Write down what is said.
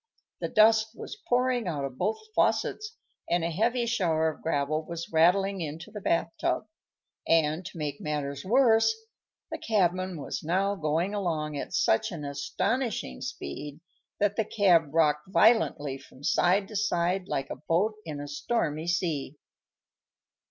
The dust was pouring out of both faucets, and a heavy shower of gravel was rattling into the bath tub; and, to make matters worse, the cabman was now going along at such an astonishing speed that the cab rocked violently from side to side, like a boat in a stormy sea.